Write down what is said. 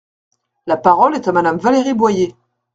La parole est à Madame Valérie Boyer.